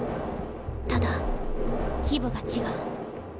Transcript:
ただ規模が違う。